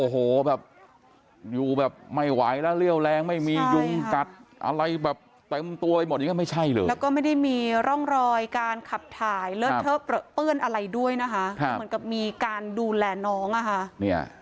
ก็ได้มีร่องรอยการขับถ่ายเลือดเทอบเปิ้ลอะไรด้วยนะคะเหมือนกับมีการดูแลน้องนะคะ